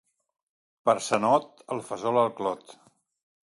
Per Sant Ot, el fesol al clot.